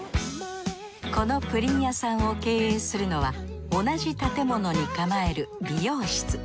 このプリン屋さんを経営するのは同じ建物にかまえる美容室。